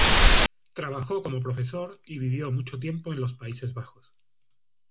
Trabajó como profesor y vivió mucho tiempo en los Países Bajos.